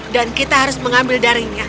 dan kita harus mengambil darinya